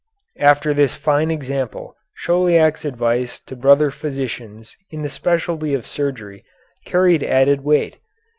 After this fine example, Chauliac's advice to brother physicians in the specialty of surgery carried added weight.